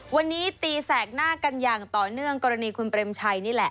วันนี้ตีแสกหน้ากันอย่างต่อเนื่องกรณีคุณเปรมชัยนี่แหละ